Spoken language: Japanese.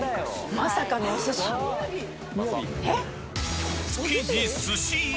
まさかのお寿司⁉［でで］